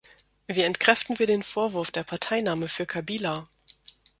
Wie entkräften wir den Vorwurf der Parteinahme für Kabila?